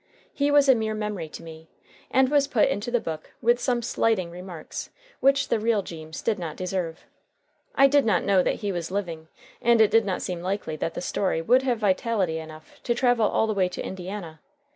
He was a mere memory to me, and was put into the book with some slighting remarks which the real Jeems did not deserve. I did not know that he was living, and it did not seem likely that the story would have vitality enough to travel all the way to Indiana.